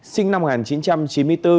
sinh năm một nghìn chín trăm chín mươi bốn